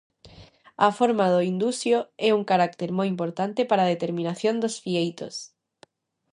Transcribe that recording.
A forma do indusio é un carácter moi importante para a determinación dos fieitos.